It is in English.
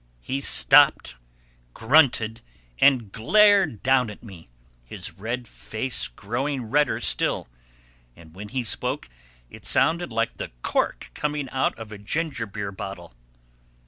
He stopped, grunted and glared down at me—his red face growing redder still; and when he spoke it sounded like the cork coming out of a gingerbeer bottle.